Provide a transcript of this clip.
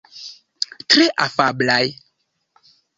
Tre afablaj.